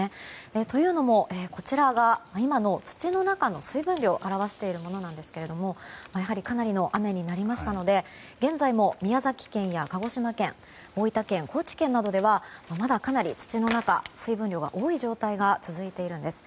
というのも、こちらが今の土の中の水分量を表しているものなんですけれどもかなりの雨になりましたので現在も宮崎県や鹿児島県大分県、高知県などではまだかなり土の中、水分量が多い状態が続いているんです。